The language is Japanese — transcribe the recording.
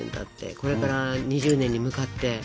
これから２０年に向かって。